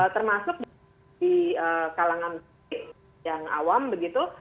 termasuk di kalangan yang awam begitu